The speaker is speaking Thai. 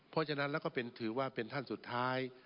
เพราะฉะนั้นแล้วก็ถือว่าเป็นท่านสุดท้าย